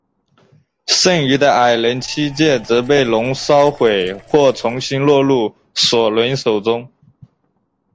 剩余的矮人七戒则被龙烧毁或重新落入索伦手中。